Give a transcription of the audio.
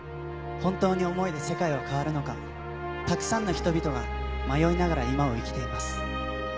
本当に想いで世界は変わるのか、たくさんの人々が迷いながら、今を生きています。